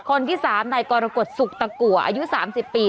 คนที่๓นายกรกฎสุขตะกัวอายุ๓๐ปี